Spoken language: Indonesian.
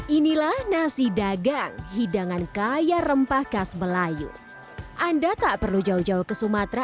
inilah nasi dagang hidangan kaya rempah khas melayu anda tak perlu jauh jauh ke sumatera